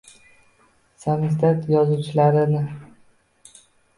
“Samizdat” yozuvchilarini;